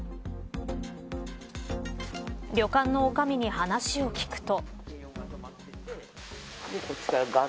旅館のおかみに話を聞くと。